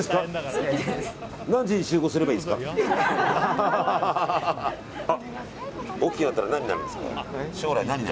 何時に集合すればいいですか。